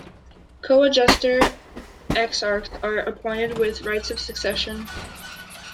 Coadjutor exarchs are appointed with rights of succession.